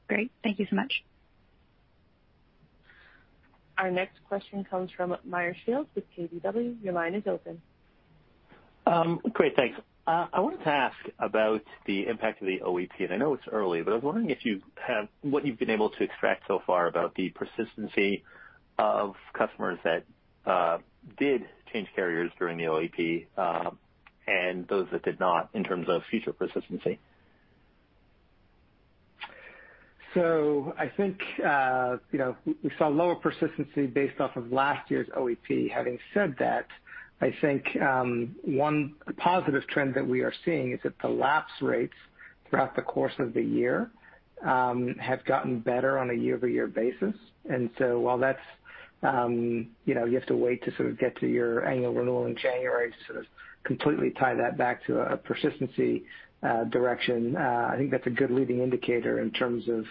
L: Great. Thank you so much.
A: Our next question comes from Meyer Shields with KBW. Your line is open.
M: Great. Thanks. I know it's early, but I was wondering what you've been able to extract so far about the persistency of customers that did change carriers during the OEP, and those that did not, in terms of future persistency.
D: I think we saw lower persistency based off of last year's OEP. Having said that, I think one positive trend that we are seeing is that the lapse rates throughout the course of the year have gotten better on a year-over-year basis. While you have to wait to sort of get to your annual renewal in January to sort of completely tie that back to a persistency direction, I think that's a good leading indicator in terms of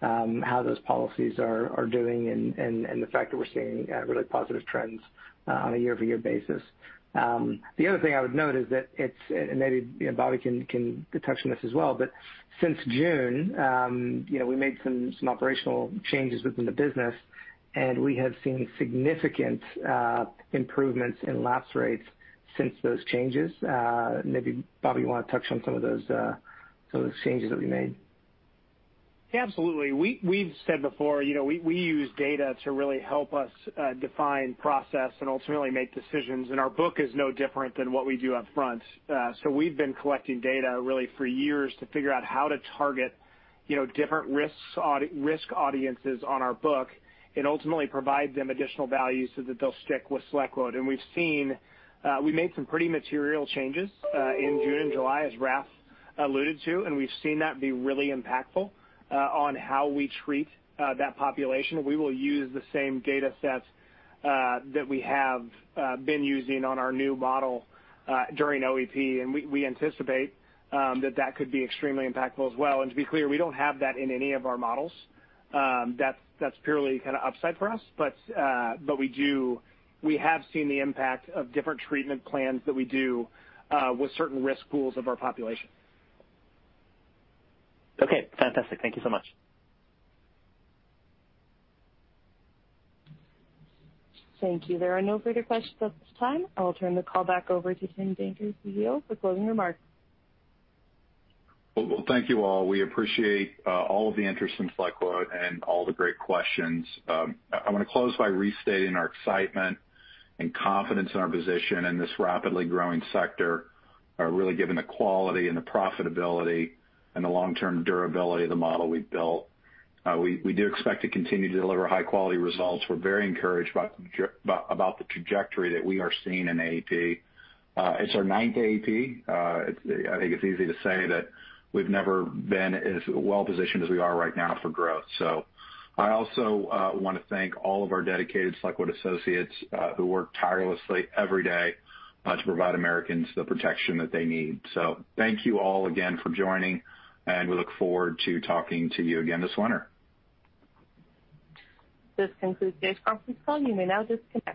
D: how those policies are doing and the fact that we're seeing really positive trends on a year-over-year basis. The other thing I would note is that it's, and maybe Bob can touch on this as well, but since June, we made some operational changes within the business, and we have seen significant improvements in lapse rates since those changes. Maybe, Bob, you want to touch on some of those changes that we made?
G: Yeah, absolutely. We've said before, we use data to really help us define process and ultimately make decisions, and our book is no different than what we do upfront. We've been collecting data really for years to figure out how to target different risk audiences on our book and ultimately provide them additional value so that they'll stick with SelectQuote. We've made some pretty material changes in June and July, as Raff alluded to, and we've seen that be really impactful on how we treat that population. We will use the same data sets that we have been using on our new model during OEP, and we anticipate that that could be extremely impactful as well. To be clear, we don't have that in any of our models. That's purely upside for us. We have seen the impact of different treatment plans that we do with certain risk pools of our population.
M: Okay, fantastic. Thank you so much.
A: Thank you. There are no further questions at this time. I will turn the call back over to Tim Danker, CEO, for closing remarks.
C: Thank you, all. We appreciate all of the interest in SelectQuote and all the great questions. I want to close by restating our excitement and confidence in our position in this rapidly growing sector, really given the quality and the profitability and the long-term durability of the model we've built. We do expect to continue to deliver high-quality results. We're very encouraged about the trajectory that we are seeing in AEP. It's our ninth AEP. I think it's easy to say that we've never been as well-positioned as we are right now for growth. I also want to thank all of our dedicated SelectQuote Associates who work tirelessly every day to provide Americans the protection that they need. Thank you all again for joining, and we look forward to talking to you again this winter.
A: This concludes today's conference call. You may now disconnect.